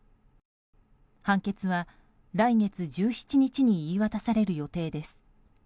判決は来月１７日に言い渡される予定です。